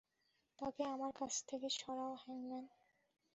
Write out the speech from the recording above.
তাকে আমার কাছ থেকে সরাও, হ্যাংম্যান।